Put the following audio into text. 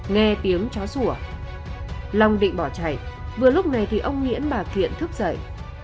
nghe tiếng chó rùa lòng định bỏ chạy vừa lúc này thì ông nghĩễn bà kiện thức dậy